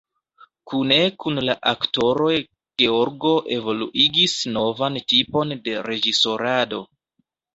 Kune kun la aktoroj Georgo evoluigis novan tipon de reĝisorado.